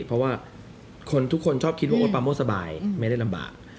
เพราะว่าคนทุกคนชอบคิดว่าโอ๊ตปาโม่สบายไม่ได้ลำบาก